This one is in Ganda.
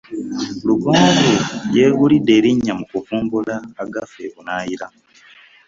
Lugonvu yeegulidde erinnya mu kuvumbula agafa ebunaayira.